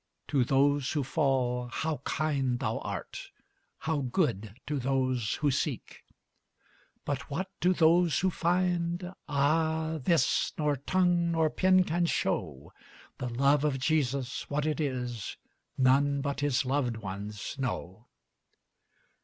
To those who fall, how kind thou art, How good to those who seek! But what to those who find? Ah, this Nor tongue nor pen can show. The love of Jesus, what it is None but his loved ones know.